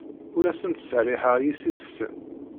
Ur asen-ttseḥḥireɣ yessi-tsen.